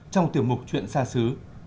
trong tiểu mục chuyện xa xứ